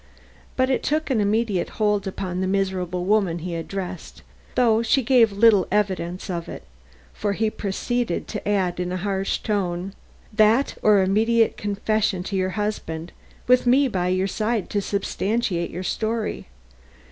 But it took an immediate hold upon the miserable woman he addressed, though she gave little evidence of it, for he proceeded to add in a hard tone: "That or immediate confession to your husband, with me by to substantiate your story.